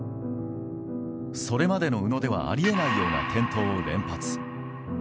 それまでの宇野ではありえないような転倒を連発。